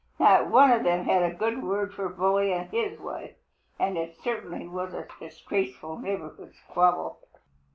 Not one of them had a good word for Bully and his wife. It certainly was a disgraceful neighborhood squabble.